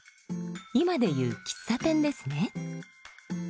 今で言う喫茶店ですね。